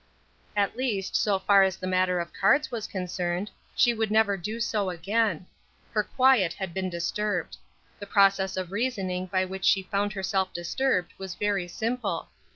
At least, so far as the matter of cards was concerned, she would never do so again. Her quiet had been disturbed. The process of reasoning by which she found herself disturbed was very simple.